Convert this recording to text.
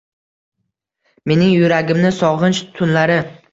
Mening yuragimni sog’inch tunlari